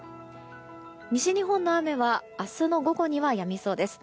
西日本の雨は明日の午後にはやみそうです。